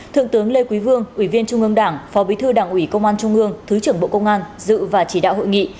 thượng tướng lê quý vương ủy viên trung ương đảng phó bí thư đảng ủy công an trung ương thứ trưởng bộ công an dự và chỉ đạo hội nghị